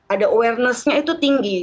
ada awarenessnya itu tinggi